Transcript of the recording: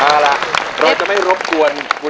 อ่าล่ะเราจะไม่รบกวน